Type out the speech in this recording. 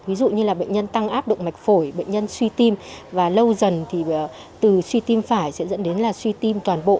ví dụ như là bệnh nhân tăng áp độ mạch phổi bệnh nhân suy tim và lâu dần thì từ suy tim phải sẽ dẫn đến là suy tim toàn bộ